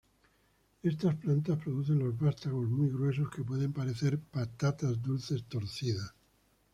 Estas plantas producen los vástagos muy gruesos que pueden parecer patatas dulces torcidas.